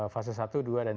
fase satu dua dan tiga